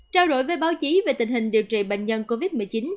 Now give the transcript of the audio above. trao đổi với báo chí về tình hình điều trị bệnh nhân covid một mươi chín